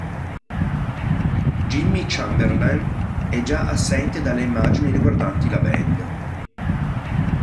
Jimmy Chamberlin è già assente dalle immagini riguardanti la band.